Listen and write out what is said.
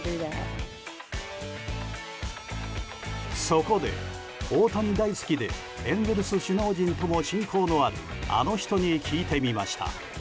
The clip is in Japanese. そこで、大谷大好きでエンゼルス首脳陣とも親交のあるあの人に聞いてみました。